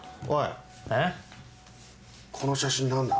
この写真何だ？